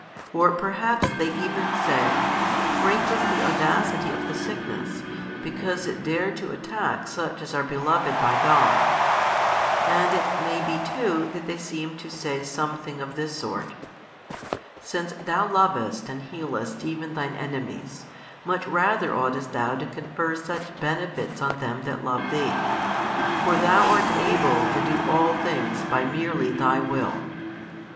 Or perhaps they even say: Great is the audacity of the sickness, because it dared to attack such as are beloved by God. And it may be too that they |111 seem to say something of this sort. Since Thou lovest and healest even Thine enemies, much rather oughtest Thou to confer such benefits on them that love Thee. For Thou art able to do all things by merely Thy Will.